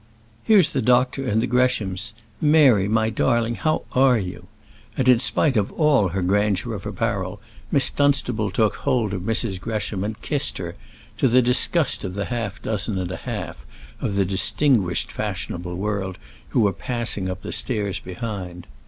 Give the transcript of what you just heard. Here's the doctor and the Greshams. Mary, my darling, how are you?" and in spite of all her grandeur of apparel, Miss Dunstable took hold of Mrs. Gresham and kissed her to the disgust of the dozen and a half of the distinguished fashionable world who were passing up the stairs behind.